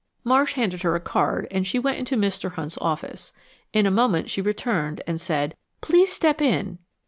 Marsh handed her a card and she went into Mr. Hunt's office. In a moment she returned and said, "Please step in."